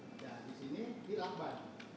dan di sini dilakban